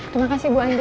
terima kasih bu andin